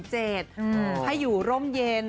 ให้อยู่ร่มเย็น